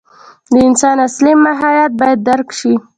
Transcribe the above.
د انسان اصلي ماهیت باید درک شي.